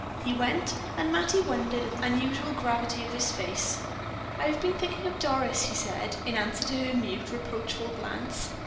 He went, and Mattie wondered at the unusual gravity of his face. "I have been thinking of Doris," he said, in answer to her mute, reproachful glance.